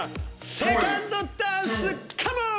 セカンドダンスカモン！